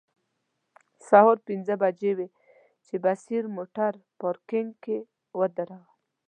سهار پنځه بجې وې چې بصیر موټر پارکینګ کې و دراوه.